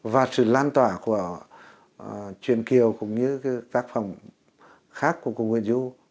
và sự lan tỏa của chuyện kiều cũng như tác phẩm khác của nguyễn du